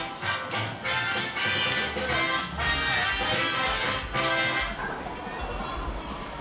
はい。